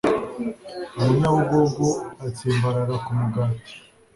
umunyabugugu atsimbarara ku mugati